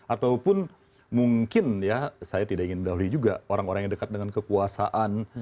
ataupun mungkin ya saya tidak ingin mendahului juga orang orang yang dekat dengan kekuasaan